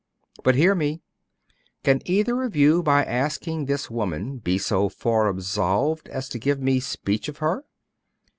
But hear me. Can either of you, by asking this woman, be so far absolved as to give me speech of her?